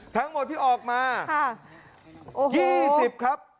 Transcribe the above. ทั้งหมดที่ออกมา๒๐ครับ